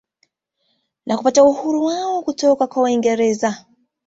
Na kupata uhuru wao kutoka kwa waingereza